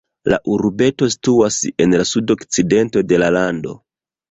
La urbeto situas en la sudokcidento de la lando.